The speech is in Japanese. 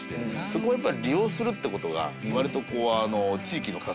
そこをやっぱり利用するって事が割とこう。